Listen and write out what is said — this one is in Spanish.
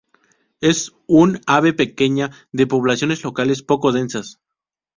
Es un ave pequeña de poblaciones locales poco densas.